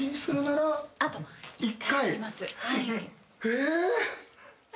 え！